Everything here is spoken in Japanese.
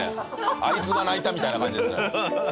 あいつが鳴いたみたいな感じですね。